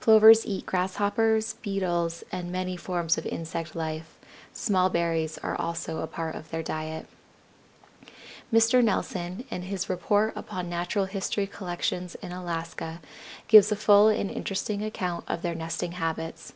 Plovers eat Grasshoppers, Beetles, and many forms of insect life; small berries are also a part of their diet. Mr. Nelson, in his "Report Upon Natural History Collections in Alaska," gives a full and interesting account of their nesting habits.